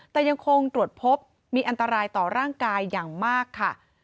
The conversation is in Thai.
แต่ยังคงตรวจพบมีอันตรายต่อร่างกายอย่างมากค่ะ